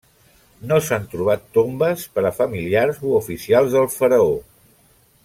No s'han trobat tombes per a familiars o oficials del faraó.